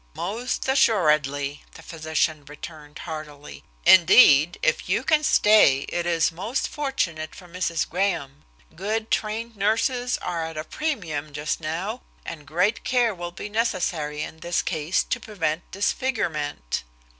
"Most assuredly," the physician returned heartily. "Indeed, if you can stay it is most fortunate for Mrs. Graham. Good trained nurses are at a premium just now, and great care will be necessary in this case to prevent disfigurement!"